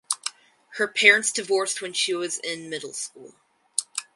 Her parents divorced when she was in middle school.